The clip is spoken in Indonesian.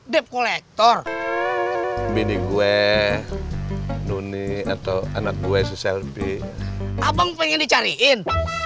dep kolektor mini gue nuni atau anak gue itu selfie abang pengen dicariin